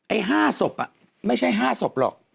๕ศพไม่ใช่๕ศพหรอก